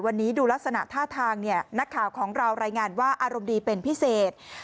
วันนี้ดูลักษณะท่าทางเนี่ยนักข่าวของเรารายงานว่าอารมณ์ดีเป็นพิเศษ